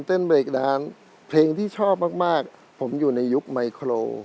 เบรกดังเพลงที่ชอบมากผมอยู่ในยุคไมโคร